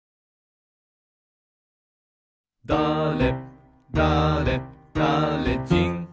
「だれだれだれじん」